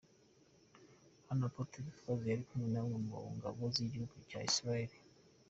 Hano Apotre Gitwaza yari kumwe na bamwe mu ngabo z'igihugu cya Israel.